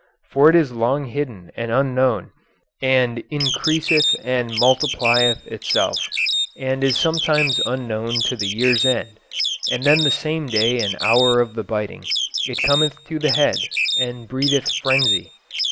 For it is long hidden and unknown, and increaseth and multiplieth itself, and is sometimes unknown to the year's end, and then the same day and hour of the biting, it cometh to the head, and breedeth frenzy.